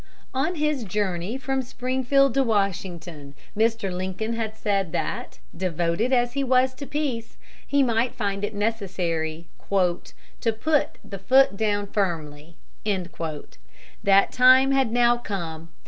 On his journey from Springfield to Washington Mr. Lincoln had said that, devoted as he was to peace, he might find it necessary "to put the foot down firmly." That time had now come.